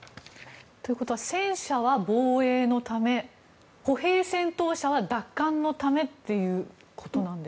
ということは戦車は防衛のため歩兵戦闘車は奪還のためということなんですか？